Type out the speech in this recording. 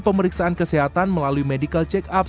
dan pemeriksaan kesehatan melalui medical check up